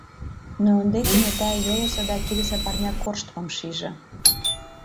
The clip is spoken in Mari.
Но ынде кенета йолысо да кидысе парня корштымым шиже.